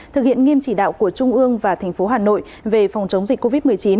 thực hiện nghiêm chỉ đạo của trung ương và thành phố hà nội về phòng chống dịch covid một mươi chín